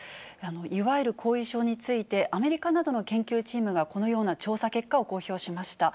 いわゆる後遺症について、アメリカなどの研究チームが、このような調査結果を公表しました。